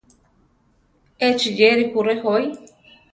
Échi yéri jú rejoí.